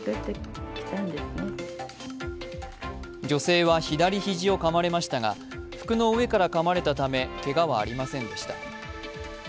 女性は、左肘をかまれましたが、服の上からかまれたためけがはありませんでした。